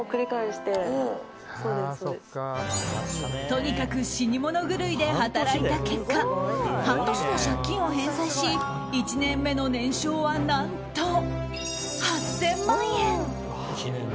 とにかく死に物狂いで働いた結果半年で借金を返済し１年目の年商は何と８０００万円。